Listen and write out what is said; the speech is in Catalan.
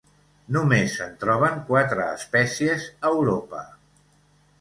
Només se'n troben quatre espècies a Europa.